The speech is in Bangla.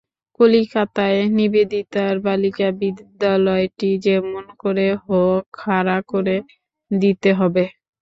কলিকাতায় নিবেদিতার বালিকা বিদ্যালয়টি যেমন করে হোক খাড়া করে দিতে হবে।